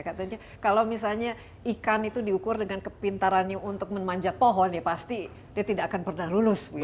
katanya kalau misalnya ikan itu diukur dengan kepintarannya untuk memanjat pohon ya pasti dia tidak akan pernah lulus